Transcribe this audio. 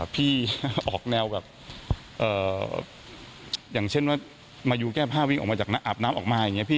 พี่ออกแนวแบบอย่างเช่นว่ามายูแก้ผ้าวิ่งออกมาจากอาบน้ำออกมาอย่างนี้พี่